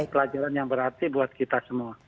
pelajaran yang berarti buat kita semua